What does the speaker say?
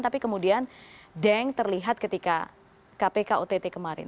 tapi kemudian deng terlihat ketika kpk ott kemarin